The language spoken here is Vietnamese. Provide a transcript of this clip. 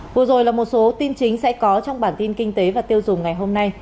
vừa rồi là một số tin chính sẽ có trong bản tin kinh tế và tiêu dùng ngày hôm nay